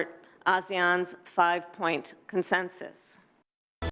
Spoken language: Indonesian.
dan kita akan terus mengembangkan konsensus lima poin dari asean